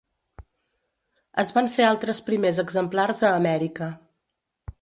Es van fer altres primers exemplars a Amèrica.